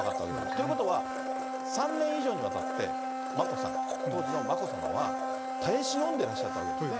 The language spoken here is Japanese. ということは、３年以上にわたって、眞子さん、当時の眞子さまは、耐え忍んでらっしゃったわけですね。